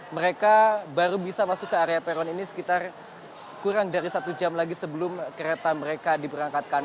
mereka baru bisa masuk ke area peron ini sekitar kurang dari satu jam lagi sebelum kereta mereka diberangkatkan